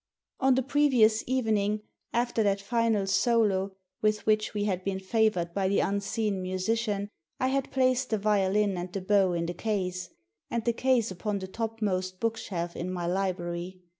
On the previous evening, after that final solo with which we had been favoured by the unseen musician I had placed the violin and the bow in the case, and the case upon the topmost bookshelf in my library.